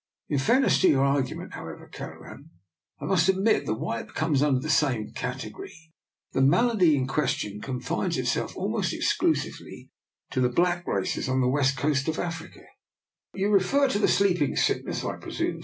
" In fairness to your argument, however, Kelleran, I must admit that while it comes under the same category, the malady in ques tion confines itself almost exclusively to the black races on the West Coast of Africa/' " You refer to the Sleeping Sickness, I presume?